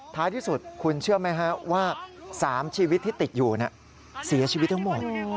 ท้ายที่สุดคุณเชื่อไหมฮะว่า๓ชีวิตที่ติดอยู่เสียชีวิตทั้งหมด